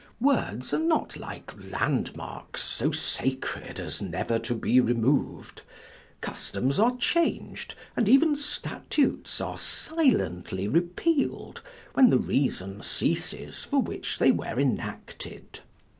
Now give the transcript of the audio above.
Words are not like landmarks, so sacred as never to be remov'd; customs are chang'd, and even statutes are silently repeal'd, when the reason ceases for which they were enacted.